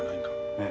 ええ。